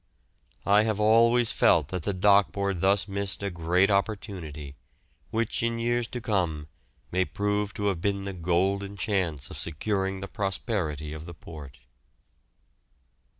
I have always felt that the Dock Board thus missed a great opportunity, which in years to come may prove to have been the golden chance of securing the prosperity of the port.